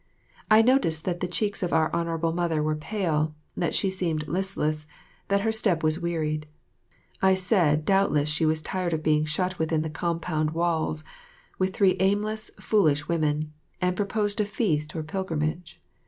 I noticed that the cheeks of our Honourable Mother were pale, that she seemed listless, that her step was wearied. I said doubtless she was tired of being shut within the compound walls with three aimless, foolish women, and proposed a feast or pilgrimage.